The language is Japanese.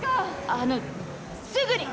あのすぐに！